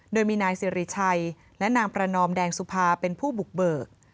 โดยมีนายสิริชัยและนางประนอมแดงสุภาเป็นผู้บุกเบิก